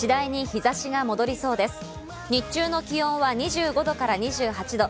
日中の気温は２５度から２８度。